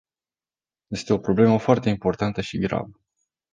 Este o problemă foarte importantă și gravă.